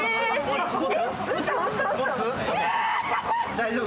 大丈夫？